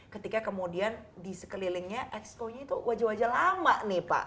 ketika kemudian di sekelilingnya exconya itu wajah wajah lama nih pak